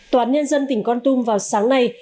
toán nhân dân tỉnh con tung vào sáng nay